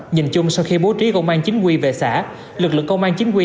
nhìn chung sau khi bố trí công an chính quy về xã lực lượng công an chính quy